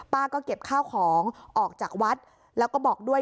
ก็เก็บข้าวของออกจากวัดแล้วก็บอกด้วย